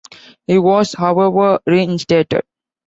He was, however, reinstated.